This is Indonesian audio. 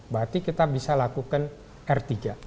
berarti kita bisa lakukan r tiga